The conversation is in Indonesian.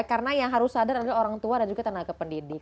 karena yang harus sadar adalah orang tua dan juga tenaga pendidik